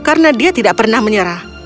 karena dia tidak pernah menyerah